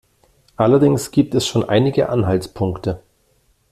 Allerdings gibt es schon einige Anhaltspunkte.